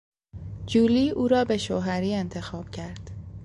جولی او را به شوهری انتخاب کرد.